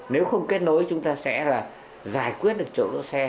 nếu không kết nối chúng ta sẽ là giải quyết được chỗ đỗ xe